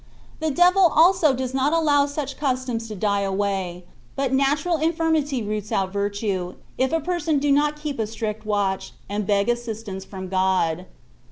The devil also does not allow such customs to die away ; but natural infirmity roots out virtue, if a person do not keep a strict watch, and beg assistance from God.